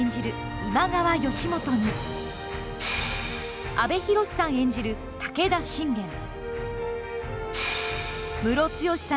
今川義元に、阿部寛さん演じる武田信玄、ムロツヨシさん